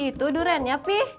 itu duren ya pih